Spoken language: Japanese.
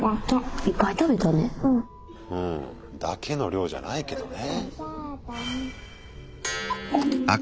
うん「だけ」の量じゃないけどね。